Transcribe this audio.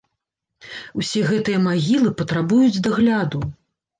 Усе гэтыя магілы патрабуюць дагляду.